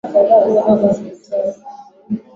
Methali ngumu sana.